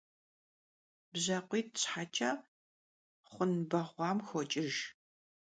Bjakhuit' şheç'e xhun beğuam xoç'ıjj.